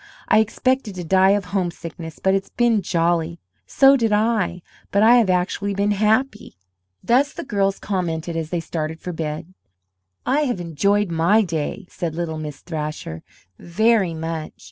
"I expected to die of homesickness, but it's been jolly!" "So did I, but I have actually been happy." Thus the girls commented as they started for bed. "I have enjoyed my day," said little Miss Thrasher, "very much."